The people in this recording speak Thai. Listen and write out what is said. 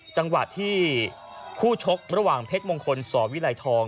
จังหวะที่คู่ชกระหว่างเพชรมงคลสวิไลทอง